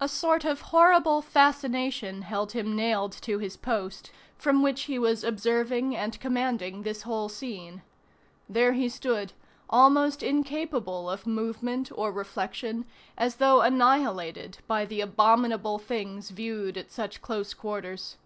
A sort of horrible fascination held him nailed to his post, from which he was observing and commanding this whole scene. There he stood, almost incapable of movement or reflection, as though annihilated by the abominable things viewed at such close quarters.